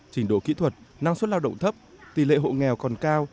trình độ kỹ thuật năng suất lao động thấp tỷ lệ hộ nghèo còn cao